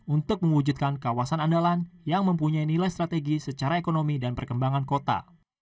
untuk mewujudkan kawasan andalan yang mempunyai nilai strategi secara ekonomi dan perkembangan kota